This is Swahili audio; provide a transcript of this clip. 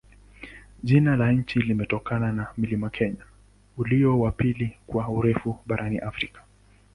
Jina la nchi limetokana na mlima Kenya, ulio wa pili kwa urefu barani Afrika.